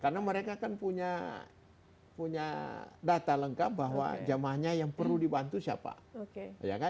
karena mereka kan punya data lengkap bahwa jemaahnya yang perlu dibantu siapa